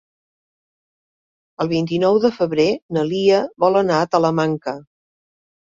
El vint-i-nou de febrer na Lia vol anar a Talamanca.